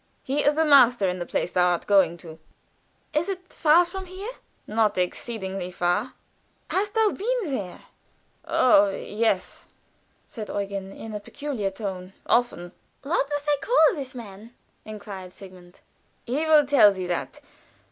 He is the master in the place thou art going to." "Is it far from here?" "Not exceedingly far." "Hast thou been there?" "Oh, yes," said Eugen, in a peculiar tone, "often." "What must I call this man?" inquired Sigmund. "He will tell thee that.